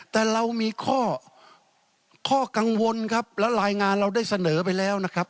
แต่เรามีข้อกังวลครับแล้วรายงานเราได้เสนอไปแล้วนะครับ